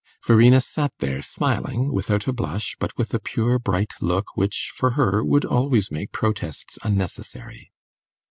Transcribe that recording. Verena sat there smiling, without a blush, but with a pure, bright look which, for her, would always make protests unnecessary.